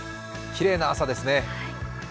きれいな朝ですね。